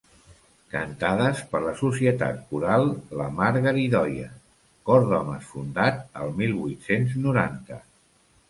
Cantades per la Societat coral La Margaridoia, cor d'homes fundat al mil vuit-cents noranta.